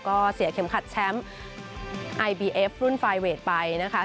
ก็เสียเข็มขัดแชมป์ไอบีเอฟรุ่นไฟเวทไปนะคะ